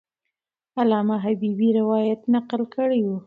علامه حبیبي روایت نقل کړی وو.